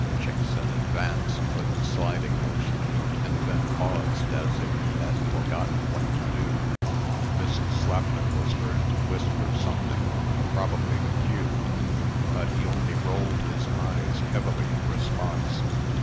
Chickson advanced with a sliding motion, and then paused, as if he had forgotten what to do. Mrs. Slapman was heard to whisper something (probably the cue), but he only rolled his eyes heavily in response.